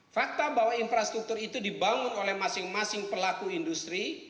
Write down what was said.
fakta bahwa infrastruktur itu dibangun oleh masing masing pelaku industri